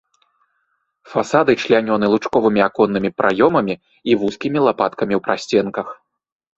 Фасады члянёны лучковымі аконнымі праёмамі і вузкімі лапаткамі ў прасценках.